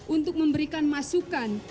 untuk memberikan masukan